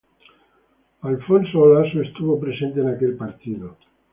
Alfonso Olaso estuvo presente en aquel partido.